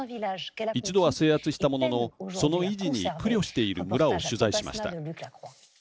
一度は制圧したもののその維持に苦慮している村を取材しました。